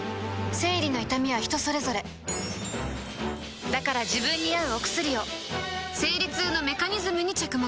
生理の痛みは人それぞれだから自分に合うお薬を生理痛のメカニズムに着目